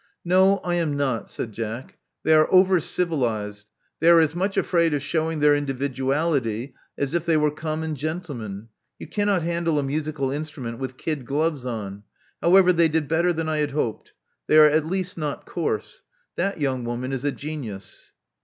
No, I am not," said Jack. '*They are over civilized. They are as much afraid of showing their individuality as if they were common gentlemen. You cannot handle a musical instrument with kid gloves on. However, they did better than I hoped. They are at least not coarse. That young woman is a genius.